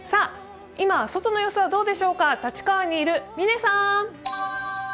今、外の様子はどうでしょうか、立川にいる嶺さん？